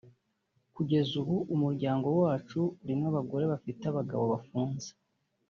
kugeza ubu umuryango wacu urimo abagore bafite abagabo bafunze